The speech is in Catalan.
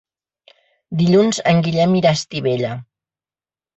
Dilluns en Guillem irà a Estivella.